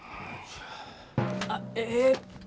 あええっと。